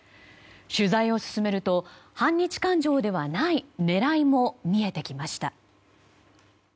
取材を進めると反日感情ではない狙いも見えてきました。